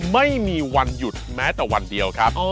ไม่มีวันหยุดแม้แต่วันเดียวครับ